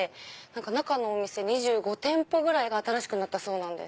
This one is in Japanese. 中のお店２５店舗ぐらいが新しくなったそうなんです。